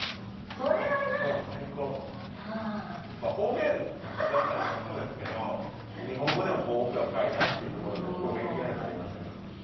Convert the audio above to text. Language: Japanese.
方言だったりとかもそうですけど日本語でも奥が深いなっていうところですごい勉強にはなりましたけど。